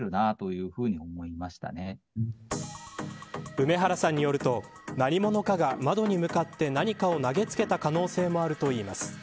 梅原さんによると何者かが窓に向かって何かを投げつけた可能性もあるといいます。